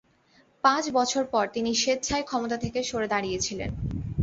পাঁচ বছর পর তিনি স্বেচ্ছায় ক্ষমতা থেকে সরে দাঁড়িয়েছিলেন।